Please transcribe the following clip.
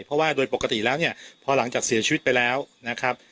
เพราะว่าโดยปกติแล้วเนี่ยพอหลังจากเสียชีวิตไปแล้วนะครับ